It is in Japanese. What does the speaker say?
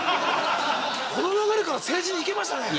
この流れから政治にいけましたね。